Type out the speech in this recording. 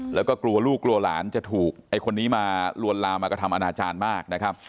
แล้วก็กลัวลูกกลัวหลานจะถูกไอ้คนนี้มาลวนลามมากระทำอนาจารย์มากนะครับ